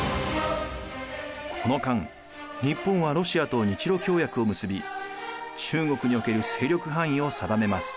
この間日本はロシアと日露協約を結び中国における勢力範囲を定めます。